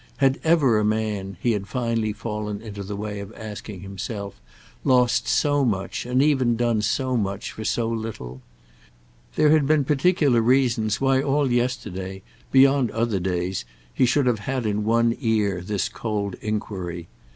Had ever a man, he had finally fallen into the way of asking himself, lost so much and even done so much for so little? There had been particular reasons why all yesterday, beyond other days, he should have had in one ear this cold enquiry.